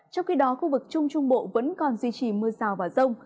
trong khi đó khu vực trung trung bộ vẫn còn duy trì mưa rào và rông